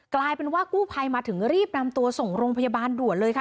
กลายเป็นว่ากู้ภัยมาถึงรีบนำตัวส่งโรงพยาบาลด่วนเลยค่ะ